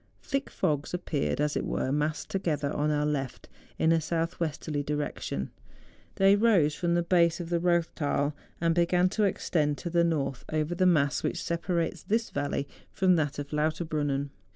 Thick fogs ap¬ peared, as it were, massed together on our left, in a south westerly direction. They rose from the base of the Eoththal, and began to extend to the north, over the mass which separates this valley from that of Lauterbrunnen.